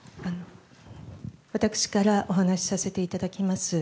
私からお話させていただきます。